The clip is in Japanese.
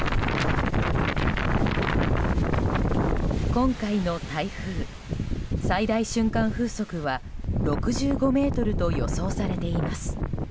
今回の台風最大瞬間風速は６５メートルと予想されています。